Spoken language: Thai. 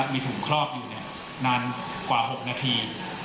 มีถุงครอบอยู่นานกว่า๖นาที